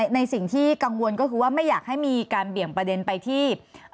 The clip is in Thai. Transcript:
ในสิ่งที่กังวลก็คือว่าไม่อยากให้มีการเบี่ยงประเด็นไปที่